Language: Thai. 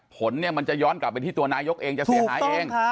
ผลมันจะย้อนกลับไปที่นายกจะเสียหายเอง